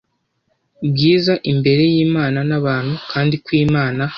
bwiza imbere y’Imana n’abantu kandi ko Imana